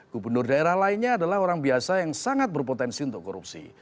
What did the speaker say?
gubernur daerah lainnya adalah orang biasa yang sangat berpotensi untuk korupsi